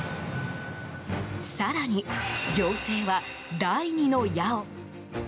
更に行政は、第２の矢を。